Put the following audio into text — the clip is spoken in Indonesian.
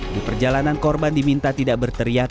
di perjalanan korban diminta tidak berteriak